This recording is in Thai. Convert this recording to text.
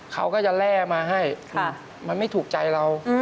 เขาก็จะแร่มาให้มันไม่ถูกใจเรา